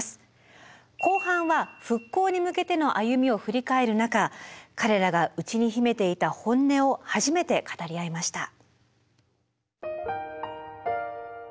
後半は復興に向けての歩みを振り返る中彼らが内に秘めていた本音を初めて語り合いました。